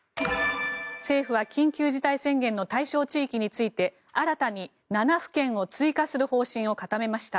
政府は緊急事態宣言の対象地域について新たに７府県を追加する方針を固めました。